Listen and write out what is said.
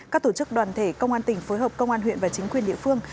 các tổ chức đoàn thể công an tỉnh phối hợp công an huyện và chính quyền địa phương